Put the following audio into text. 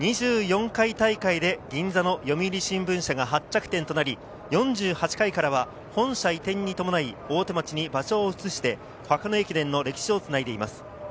２４回大会で銀座の読売新聞社が発着点となり、４８回からは本社移転に伴い大手町に場所を移して箱根駅伝の歴史をつないでいます。